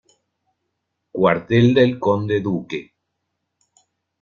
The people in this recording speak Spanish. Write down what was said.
Cuartel del Conde Duque.